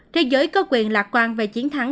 thế giới có quyền lạc quan về chiến thắng